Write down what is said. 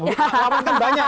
lawan kan banyak